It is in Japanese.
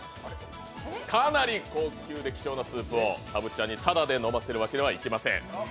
かなり高級で貴重なスープをたぶっちゃんに、タダで味わわせるわけにはいきません。